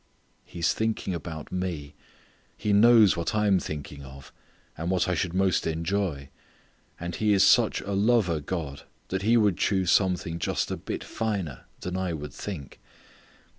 He is thinking about me. He knows what I am thinking of, and what I would most enjoy, and He is such a lover God that He would choose something Just a bit finer than I would think.